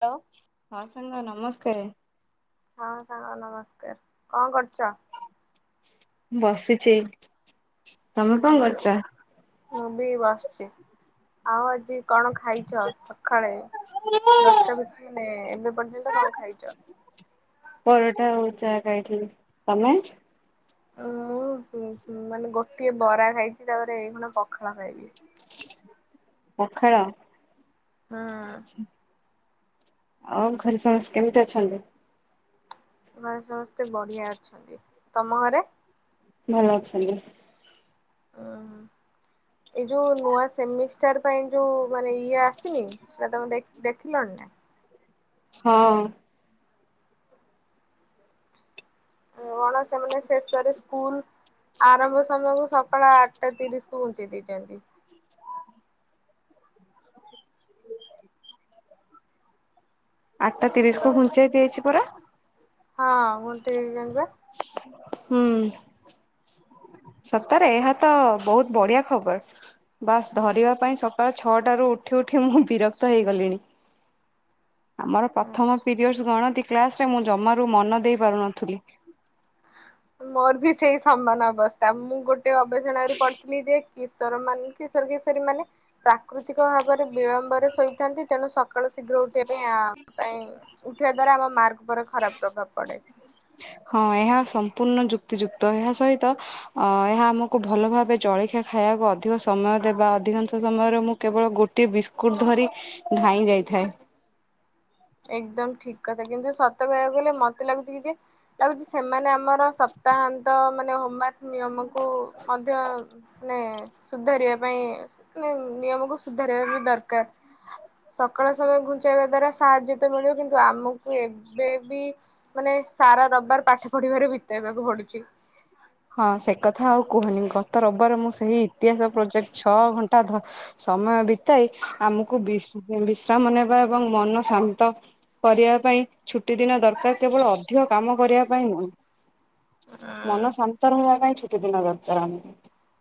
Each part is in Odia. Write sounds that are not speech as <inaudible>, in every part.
ତ ହଁ ସାଙ୍ଗ ନମସ୍କାର। ହଁ ସାଙ୍ଗ ନମସ୍କାର। କଁ କରଚ? ବସିଛି। ତମେ କଁ ଉଁ କରଚ? ମୁଁ ବି ବସଚି। ଆଉ ଆଜି କଣ ଖାଇଛ ସଖାଳେ? ଦଶଟା ଭିତ ନେ ଏବେ ପର୍ଯ୍ୟନ୍ତ କଁ ଖାଇଚ? ପରଟା ଆଉ ଚା ଖାଇଥିଲି। ତମେ? ଉଁ ମୁଁ ଉଁ ଉଁ ମାନେ ଗୋଟିଏ ବରା ଖାଇଚି ତାପରେ ଏଇଖୁଣା ପଖାଳ ଖାଇବି। ପଖାଳ? ହଁ। ଆଉ ଘରେ ସମସ୍ କେମିତି ଅଛନ୍ତି? ଘରେ ସମସ୍ତେ ବଢ଼ିଆ ଅଛନ୍ତି। ତମ ଘରେ? ଭଲ ଅଛନ୍ତି। ଉଁ ହୁଁ ଏଇ ଯୋଉ ନୂଆ ସେମିଷ୍ଟାର ପାଇଁ ଯୋଉ ମାନେ ଇଏ ଆସିନି? ସେଟା ତମ ଦେ ଦେଖି ଦେଖିଲଣି ନା? ହଁ। କଣ ସେମାନେ ଶେଷରେ ସ୍କୁଲ୍ ଆରମ୍ଭ ସମୟକୁ ସକାଳ ଆଠଟା ତିରିଶକୁ ବଞ୍ଚେଇ ଦେଇଚନ୍ତି। ଆଟା ହ୍ୟାଲୋ। ତିରିଶକୁୁ ଘୁଞ୍ଚେଇ ଦିଆ ହେଇଚି ପରା। ହଁ ମୁଁ ଟି ଜାଣିବା ହୁଁ। ସତରେ ଏହା ତ ବହୁତ ବଢ଼ିଆ ଖବର। ବାସ୍ ଧରିବା ପାଇଁ ସକାଳ ଛଅଟାରୁ ଉଠି ଉଠି ମୁଁ ବିରକ୍ତ ହେଇଗଲିଣି। ଆମର ପ୍ରଥମ ପିରିୟଡଶ୍ ଗଣତି କ୍ଲାସରେ ମୁଁ ଜମାରୁ ମନ ଦେଇ ପାରୁନଥିଲି। ମୋର ବି ସେଇ ସମାନ ଅବସ୍ଥା ମୁଁ ଗୋଟେ ଗବେଷଣା ରୁ ପଢଥିଲି ଯେ କିଶୋର ମାନ କିଶର କିଶୋରୀ ମାନେ ପ୍ରାକୃତିକ ଭାବରେ ବିଳମ୍ବରେ ଶୋଇଥାନ୍ତି ତେଣୁ ସକାଳୁ ଶୀଘ୍ର ଉଠ ସେଇପାଇ ଆମ ପାଇଁ ଉଠେଇବା ଦ୍ଵାରା ଆମ ମାର୍କ ଉପରେ ଖରାପ ପ୍ରଭାବ ପଡେ। ହଁ ଏହା ସମ୍ପୂର୍ଣ୍ଣ ଯୁକ୍ତିଯୁକ୍ତ। ଏହା ସହିତ ଅ ଏହା ଆମକୁ ଭଲ ଭାବେ ଜଳଖିଆ ଖାଇବାକୁ ଅଧିକ ସମୟ ଦେବା ଅଧିକାଂଶ ସମୟରେ ମୁଁ କେବଳ ଗୋଟେ ଟେ ବିସ୍କୁଟ ଧରି ଧାଇଁ ଯାଇଥାଏ। ଏକଦମ ଠିକ କଥା କିନ୍ତୁ ସତ କହିବାକୁ ଗଲେ ମତେ ଲାଗୁଛି କି ଯେ ଲାଗୁଛି ସେମାନେ ଆମର ସପ୍ତାହାନ୍ତ ମାନେ ହୋମାର୍କ ନିୟମକୁ ମଧ୍ୟ ମାନେ ସୁଧାରିବା ପାଇଁ ନିୟମକୁ ସୁଧାରିବା ବି ଦରକାର। ସକାଳ ସମୟ ଘୁଞ୍ଚେଇବା ଦ୍ଵାରା ସାହାଯ୍ୟ ତ ମିଳିବ କିନ୍ତୁ ଆମକୁ ଏବେ ବି ମାନେ ସାରା ରବିବାର ପାଠ ପଢିବାରେ ବିତେଇବାକୁ ପଡୁଛି। ହଁ ସେ କଥା ଆଉ କୁହନି ଗତ ରବିବାର ମୁଁ ସେଇ ଇତିହାସ ପ୍ରୋଜେକ୍ଟ ଛଅ ଘଣ୍ଟା ଧ ସମୟ ବିତାଇ ଆମକୁ ବିଶ୍ ବିଶ୍ରାମ ନେବା ଏବଂ ମନ ଶାନ୍ତ କରିବା ପାଇଁ ଛୁଟି ଦିନ ଦରକାର କେବଳ ଅଧିକ କାମ କରିବା ପାଇଁ ନୁହେଁ ମନ ଶାନ୍ତି ଛୁଟି ଦିନ ଦରକାର ଆମକୁ।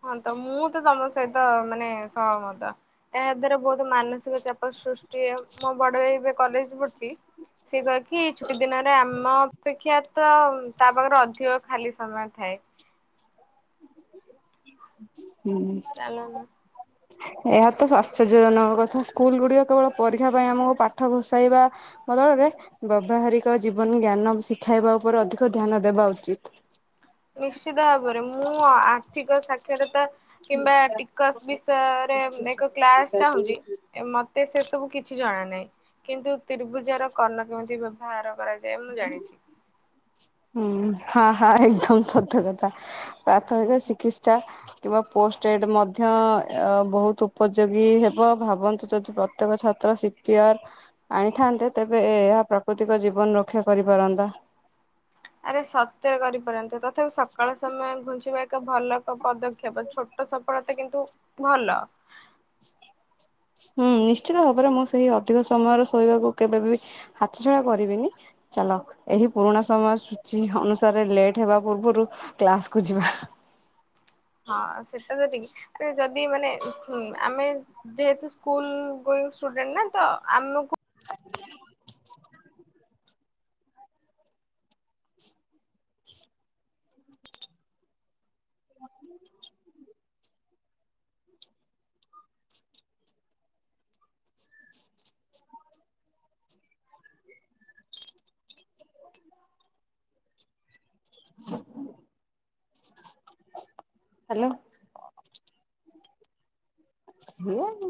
ହଁ ତ ମୁଁ ତ ତମ ସହିତ ମାନେ ସହମତା। ଏହା ଦ୍ଵାରା ବହୁତ ମାନସିକ ଚାପ ସୃଷ୍ଟି ମୋ ବଡ ଭାଇ ଏବେ କଲେଜ ପଢୁଛି। ସିଏ କହେକି ଛୁଟି ଦିନରେ ଆମ ଅପେକ୍ଷା ତ ତା ପାଖରେ ଅଧିକ ଖାଲି ସମୟ ଥାଏ। ହୁଁ। ଚାଲୁନୁ। ଏହା ତ ଆଶ୍ଚର୍ଯ୍ୟ ଜନକ କଥା ସ୍କୁଲ ଗୁଡିକ କେବଳ ପରୀକ୍ଷା ପାଇଁ ଆମକୁ ପାଠ ଘୋସାଇବା ବଦଳରେ ବ୍ୟବହାରିକ ଜୀବନ ଜ୍ଞାନ ଶିଖାଇବା ଉପରେ ଅଧିକ ଧ୍ୟାନ ଦେବା ଉଚିତ। ନିଶ୍ଚିତ ଭାବରେ ମୁଁ ଆ ଆର୍ଥିକ ସାକ୍ଷରତା କିମ୍ବା ଟିକସ ବିସୟରେ ଏକ କ୍ଲାସ ଚାହୁଁଚି। ମତେ ସେ ସବୁ କିଛି ଜଣା ନାହିଁ କିନ୍ତୁ ତିର୍ଭୁଜ ର କର୍ଣ୍ଣ କେମିତି ବାହାର କରାଯାଏ ମୁ ଜାଣିଛି। ହୁଁ ହଁ ହଁ ଏକଦମ ସତ୍ୟ କଥା। ପ୍ରାଥମିକ ଚିକିତ୍ସା କିମ୍ବା ପୋଷ୍ଟ ପେଡ ମଧ୍ୟ ବହୁତ ଉପଯୋଗୀ ହେବ ଭାବନ୍ତୁ ଯଦି ପ୍ର ପ୍ରତ୍ୟେକ ଛାତ୍ର ସିପିଆର ଆଣିଥାନ୍ତେ ତେବେ ଏହା ପ୍ରାକୃତିକ ଜୀବନର ରକ୍ଷା କରିପାରନ୍ତା। ଆରେ ସତରେ କରିପାରନ୍ତେ। ତଥାପି ସକାଳ ସମୟ ଘୁଞ୍ଚିବା ଏକ ଭଲ ପଦକ୍ଷେପ ଛୋଟ ସଫଳତା କିନ୍ତୁ ଭଲ। ହୁଁ ନିଶ୍ଚିତ ଭାବରେ ମୁଁ ସେହି ଅଧିକ ସମୟର ଶୋଇବାକୁ କେବେବି ହାତଛଡ଼ା କରିବିନି। ଚାଲ ଏହି ପୁରୁଣା ସମୟ ସୂଚୀ ଅନୁସାରେ ଲେଟ୍ ହେବା ପୂର୍ବରୁ କ୍ଲାସ୍କୁୁ ଯିବା। ହଁ ସେଟା ତ ଠିକ୍। ଆରେ ଯଦି ମାନେ ହୁଁ ଆମେ ଯେହେତୁ, ସ୍କୁଲ ଗୁଲ୍ ଷ୍ଟୁଡେଣ୍ଟ ନା ତ ଆମକୁ <inaudible> ହ <inaudible> ହ୍ୟାଲୋ। ହିଏ